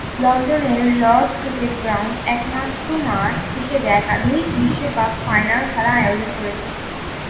লন্ডনের Lord's cricket ground একমাত্র মাঠ হিসেবে একাধিক বিশ্বকাপ ফাইনাল খেলা আয়োজন করেছে।